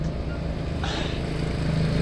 د الله له لارښوونو ګټه واخلئ.